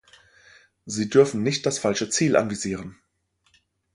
Sie dürfen nicht das falsche Ziel anvisieren!